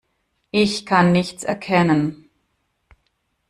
Ich kann nichts erkennen.